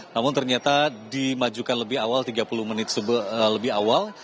namun ternyata dimajukan lebih awal tiga puluh menit lebih awal